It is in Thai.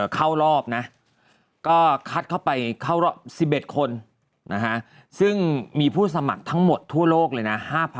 เข้ารอบนะก็คัดเข้าไปเข้ารอบ๑๑คนซึ่งมีผู้สมัครทั้งหมดทั่วโลกเลยนะ